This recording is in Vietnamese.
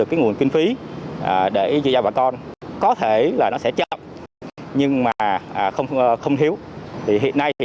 giá nguồn kinh phí để cho bà con có thể là nó sẽ chậm nhưng mà không thiếu thì hiện nay thì